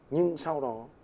nhưng sau đó